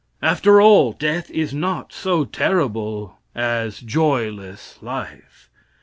After all, death is not so terrible as joyless life.